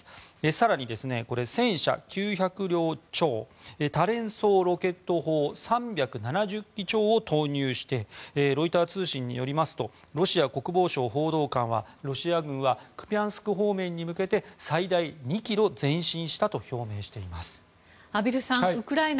更に、戦車９００両超多連装ロケット砲、３７０基超を投入してロイター通信によりますとロシア国防省報道官はロシアはクピャンスク一帯に向けて最大２ｋｍ前進したと表明しています。